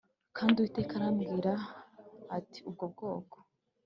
Kandi Uwiteka arambwira ati Ubwo bwoko